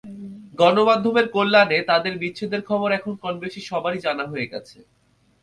গণমাধ্যমের কল্যাণে তাঁদের বিচ্ছেদের খবর এখন কমবেশি সবারই জানা হয়ে গেছে।